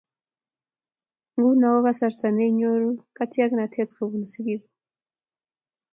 Nguno ko kasarta neinyoru katiaknatet kobun sikik kuk